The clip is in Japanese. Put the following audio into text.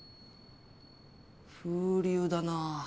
風流だなぁ。